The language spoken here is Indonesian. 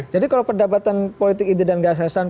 jadi kalau perdebatan politik ide dan gagasan